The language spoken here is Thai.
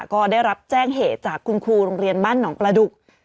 ก็ได้รับแจ้งเหตุจากคุณครูโรงเรียนบ้านหนองประดุก